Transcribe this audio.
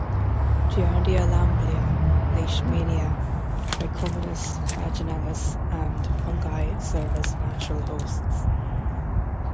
Giardia lamblia, leishmania, trichomonas vaginalis, and fungi serve as natural hosts.